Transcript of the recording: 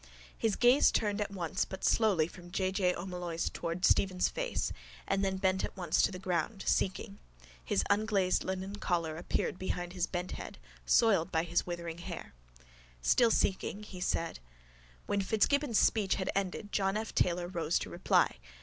His gaze turned at once but slowly from J. J. O'Molloy's towards Stephen's face and then bent at once to the ground, seeking. His unglazed linen collar appeared behind his bent head, soiled by his withering hair. Still seeking, he said: —When Fitzgibbon's speech had ended John F Taylor rose to reply.